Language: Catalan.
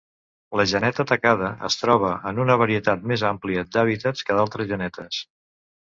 La geneta tacada es troba en una varietat més àmplia d'hàbitats que d'altres genetes.